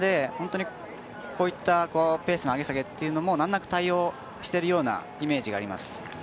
こういったペースの上げ下げというのもなんなく対応しているようなイメージがあります。